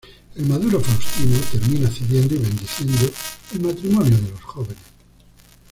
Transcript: El maduro Faustino termina cediendo y bendiciendo el matrimonio de los jóvenes.